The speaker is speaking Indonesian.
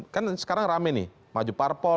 kan sekarang rame nih maju parpol